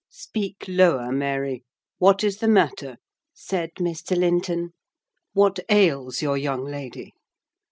"Speak lower, Mary—What is the matter?" said Mr. Linton. "What ails your young lady?"